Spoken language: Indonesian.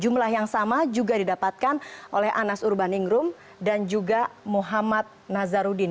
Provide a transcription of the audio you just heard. jumlah yang sama juga didapatkan oleh anas urbaningrum dan juga muhammad nazarudin